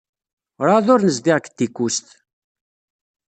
Werɛad ur nezdiɣ deg Tikust.